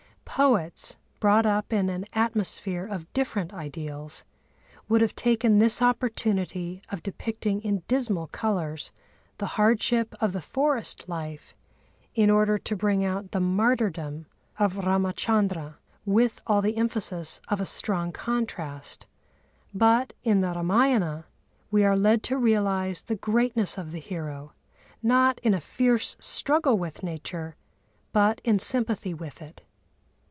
Poets, brought up in an atmosphere of different ideals, would have taken this opportunity of depicting in dismal colours the hardship of the forest life in order to bring out the martyrdom of Râmachandra with all the emphasis of a strong contrast. But, in the Râmâyana, we are led to realise the greatness of the hero, not in a fierce struggle with Nature, but in sympathy with it.